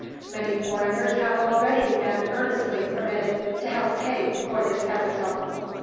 Many foreigners have already been earnestly permitted to help pay for this pedestal."